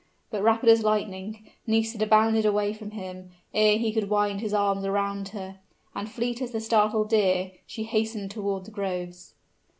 But rapid as lightning, Nisida bounded away from him, ere he could wind his arms around her; and fleet as the startled deer, she hastened toward the groves.